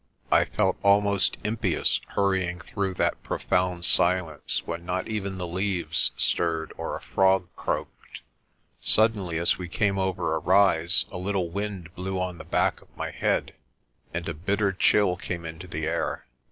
I felt almost impious hurrying through that profound silence, when not even the leaves stirred or a frog croaked. Suddenly as we came over a rise a little wind blew on the back of my head, and a bitter chill came into the air.